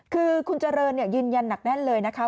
คือคุณเจริญยืนยันหนักแน่นเลยนะคะ